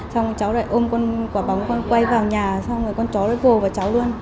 xong rồi cháu lại ôm quả bóng quay vào nhà xong rồi con chó lại vô vào cháu luôn